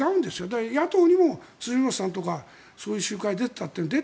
だから、野党にも辻元さんとかそういう集会、出てたって。